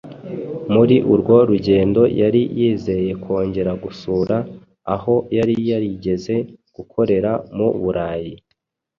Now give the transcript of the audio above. Muri urwo rugendo yari yizeye kongera gusura aho yari yarigeze gukorera mu Burayi.